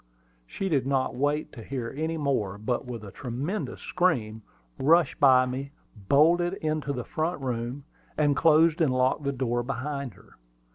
She did not wait to hear any more, but, with a tremendous scream, rushed by me, bolted into the front room, and closed and locked the door behind her.